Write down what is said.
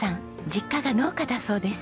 実家が農家だそうです。